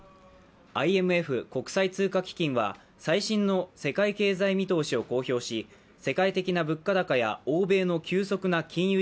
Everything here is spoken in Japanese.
ＩＭＦ＝国際通貨基金は最新の世界経済見通しを公表し、世界的な物価高や欧米の急速な金融